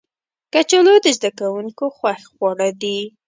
کچالو د زده کوونکو خوښ خواړه دي